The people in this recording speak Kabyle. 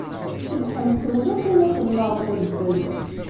Cebḥent tewlafin i xedmeɣ deg udfel.